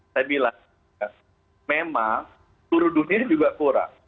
saya bilang memang seluruh dunia ini juga kurang